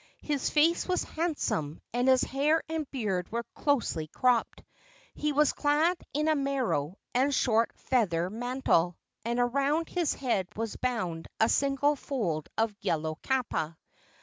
His face was handsome, and his hair and beard were closely cropped. He was clad in a maro and short feather mantle, and around his head was bound a single fold of yellow kapa.